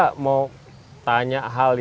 oke saya mau tanya hal yang